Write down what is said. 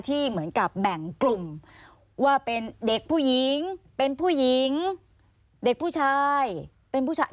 ที่เหมือนกับแบ่งกลุ่มว่าเป็นเด็กผู้หญิงเป็นผู้หญิงเด็กผู้ชายเป็นผู้ชาย